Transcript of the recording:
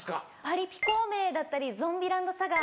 『パリピ孔明』だったり『ゾンビランドサガ』。